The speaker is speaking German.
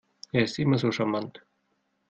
Er ist immer so charmant.